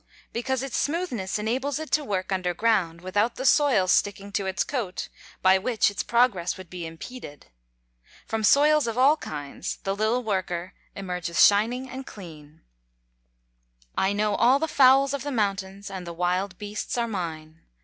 _ Because its smoothness enables it to work under ground without the soil sticking to its coat, by which its progress would be impeded. From soils of all kinds, the little worker emerges shining and clean. [Verse: "I know all the fowls of the mountains, and the wild beasts are mine."